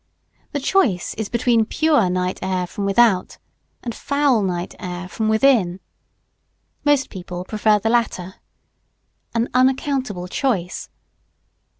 The choice is between pure night air from without and foul night air from within. Most people prefer the latter. An unaccountable choice.